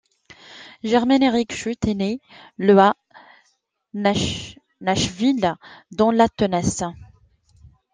Jermaine Eric Shute est né le à Nashville, dans le Tennessee.